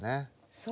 そう。